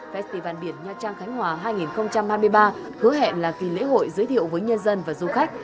festival biển nha trang khánh hòa hai nghìn hai mươi ba hứa hẹn là kỳ lễ hội giới thiệu với nhân dân và du khách